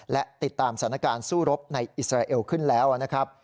และติดตามสถานการณ์สู้รบในอิสราเอลขึ้นแล้วนะครับ